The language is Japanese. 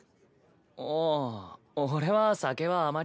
ああ俺は酒はあまり。